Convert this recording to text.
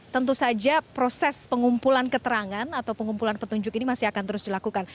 tentu saja proses pengumpulan keterangan atau pengumpulan petunjuk ini masih akan terus dilakukan